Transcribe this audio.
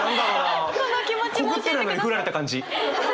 告ってないのに振られた感じ。